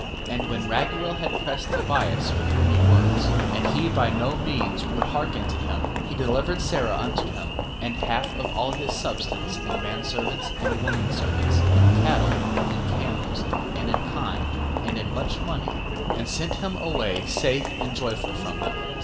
10:10. And when Raguel had pressed Tobias with many words, and he by no means would hearken to him, he delivered Sara unto him, and half of all his substance in menservants, and womenservants, in cattle, in camels, and in kine, and in much money, and sent him away safe and joyful from him, 10:11.